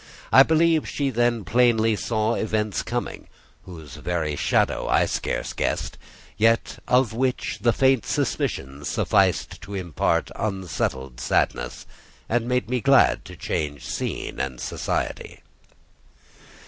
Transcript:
I believe she then plainly saw events coming, whose very shadow I scarce guessed; yet of which the faint suspicion sufficed to impart unsettled sadness, and made me glad to change scene and society.